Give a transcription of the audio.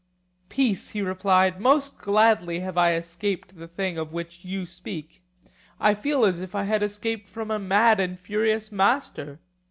Peace, he replied; most gladly have I escaped the thing of which you speak; I feel as if I had escaped from a mad and furious master.